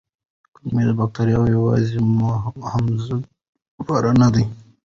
کولمو بکتریاوې یوازې هضم لپاره نه دي.